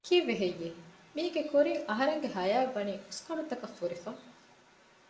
ކީއްވެ ހެއްޔެވެ؟ މީގެ ކުރިން އަހަރެންގެ ހަޔާތް ވަނީ އުސްގަނޑުތަކުން ފުރިފަ